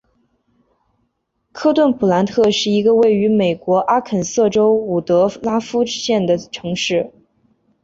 科顿普兰特是一个位于美国阿肯色州伍德拉夫县的城市。